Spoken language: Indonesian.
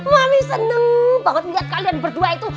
mami seneng banget liat kalian berdua itu